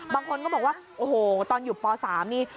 บางคนก็บอกว่าโอ้โหตอนอยู่ป๓นี่